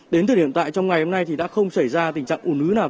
đến từ hiện tại trong ngày hôm nay thì đã không xảy ra tình trạng ủn ứ nào